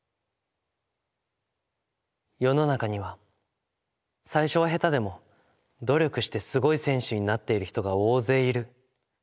世の中には最初は下手でも努力してすごい選手になっている人が大勢いる。